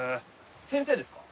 先生ですか？